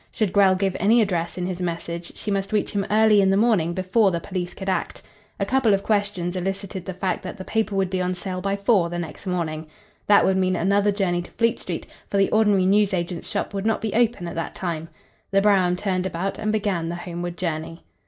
Should Grell give any address in his message, she must reach him early in the morning before the police could act. A couple of questions elicited the fact that the paper would be on sale by four the next morning. That would mean another journey to Fleet Street, for the ordinary news agents' shops would not be open at that time. The brougham turned about and began the homeward journey.